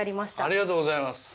ありがとうございます